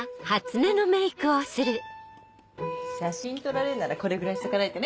写真撮られるならこれぐらいしとかないとね。